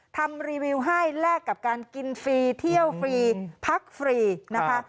ทำรีวิวให้แลกกับการกินฟรีเที่ยวฟรีพักฟรีนะคะ